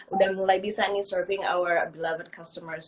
udah mulai bisa serving our beloved customers